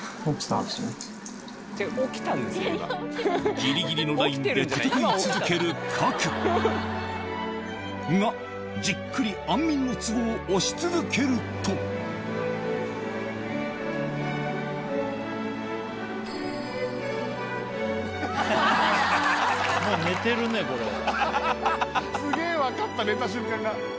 ギリギリのラインで闘い続ける賀来がじっくり安眠のツボを押し続けるとすげぇ分かった寝た瞬間が。